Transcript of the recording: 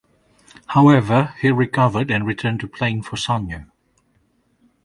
However, he recovered and returned to playing for Sanyo.